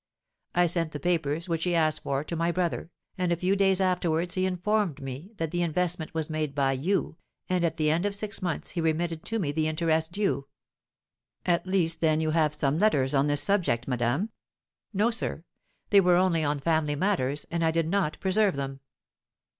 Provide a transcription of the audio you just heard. I sent the papers which he asked for to my brother, and a few days afterwards he informed me that the investment was made by you, and at the end of six months he remitted to me the interest due.' 'At least, then, you have some letters on this subject, madame?' 'No, sir; they were only on family matters, and I did not preserve them.'